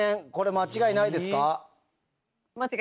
間違いないです。